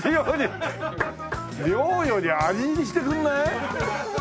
量より味にしてくれない？